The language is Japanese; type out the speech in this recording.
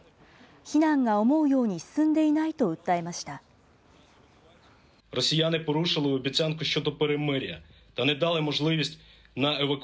避難が思うように進んでいないと訴えました。